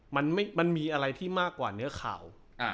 มันไม่มันมีอะไรที่มากกว่าเนื้อข่าวอ่า